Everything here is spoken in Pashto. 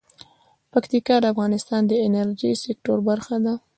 پکتیکا د افغانستان د انرژۍ سکتور برخه ده.